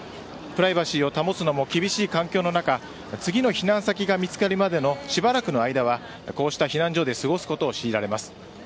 プライバシーを保つのも厳しい環境の中次の避難先が見つかるまでのしばらくの間はこうした避難所で過ごすことを強いられます。